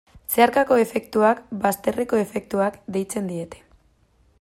Zeharkako efektuak, bazterreko efektuak, deitzen diete.